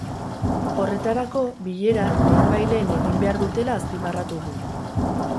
Horretarako bilera lehenbailehen egin behar dutela azpimarratu du.